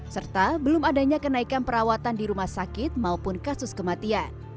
serta belum adanya kenaikan perawatan di rumah sakit maupun kasus kematian